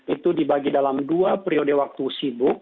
itu dibagi dalam dua periode waktu sibuk